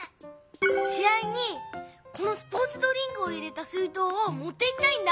し合にこのスポーツドリンクを入れた水とうをもっていきたいんだ。